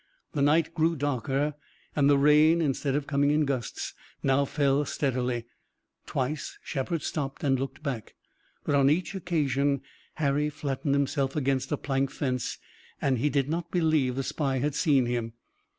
The night grew darker and the rain, instead of coming in gusts, now fell steadily. Twice Shepard stopped and looked back. But on each occasion Harry flattened himself against a plank fence and he did not believe the spy had seen him.